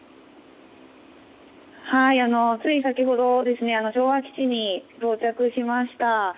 つい先ほど昭和基地に到着しました。